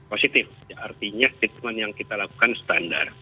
positif artinya treatment yang kita lakukan standar